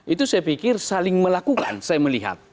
itu saya pikir saling melakukan saya melihat